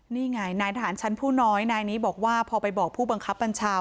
นี่ไงนายทหารชั้นผู้น้อยนายนี้บอกว่าพอไปบอกผู้บังคับบัญชา